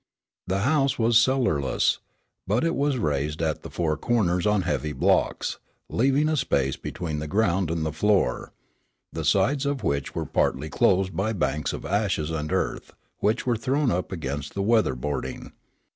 The house was cellarless, but it was raised at the four corners on heavy blocks, leaving a space between the ground and the floor, the sides of which were partly closed by banks of ashes and earth which were thrown up against the weather boarding.